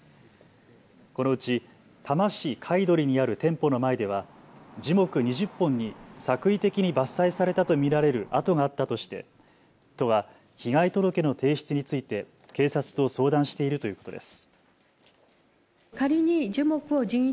このうち多摩市貝取にある店舗の前では樹木２０本に作為的に伐採されたと見られる跡があったとして都は被害届の提出について警察と相談しているということです。